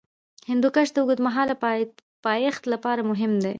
هندوکش د اوږدمهاله پایښت لپاره مهم دی.